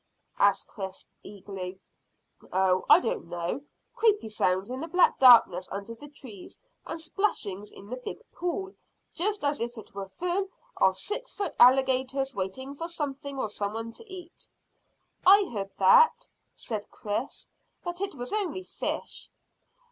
asked Chris eagerly. "Oh, I don't know; creepy sounds in the black darkness under the trees, and splashings in the big pool, just as if it was full of six foot alligators waiting for something or some one to eat." "I heard that," said Chris; "but it was only fish."